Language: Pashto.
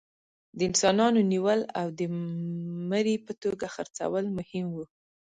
د انسانانو نیول او د مري په توګه خرڅول مهم وو.